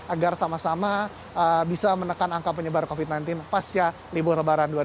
agar sama sama bisa menekan angka penyebaran covid sembilan belas pasca libur lebaran dua ribu dua puluh